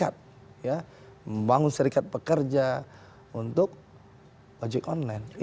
yang akan diberikan hak berserikat ya membangun serikat pekerja untuk ojek online